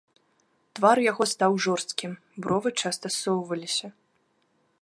Твар яго стаў жорсткім, бровы часта ссоўваліся.